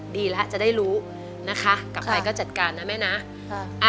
ดีแล้วจะได้รู้นะคะกลับไปก็จัดการนะแม่นะ